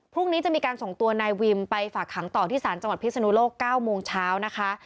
พรุ่งนี้จะมีการส่งตัวนายวิมไปฝากขังต่อที่ศาลจังหวัดพิศนุโลก๙โมงเช้านะคะ